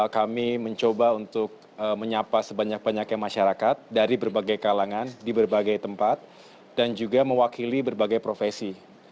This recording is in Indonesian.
kami mencoba untuk menyapa sebanyak banyaknya masyarakat dari berbagai kalangan di berbagai tempat dan juga mewakili berbagai profesi